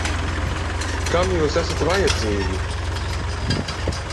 Kam jūs esat vajadzīgi?